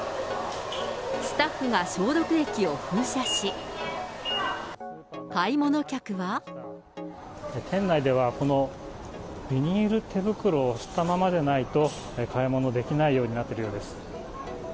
スタッフが消毒液を噴射し、店内では、このビニール手袋をしたままでないと、買い物できないようになっているようです。